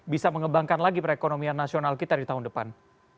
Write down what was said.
bisa mengembangkan lagi perekonomian nasional kita di tahun depan